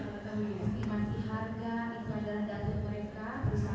tres yang di bawahnya itu sangat bagus